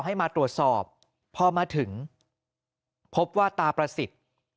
ให้มาตรวจสอบพอมาถึงพบว่าตาประสิทธิ์